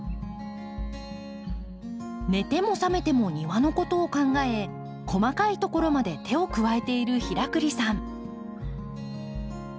寝ても覚めても庭のことを考え細かいところまで手を加えている平栗さん。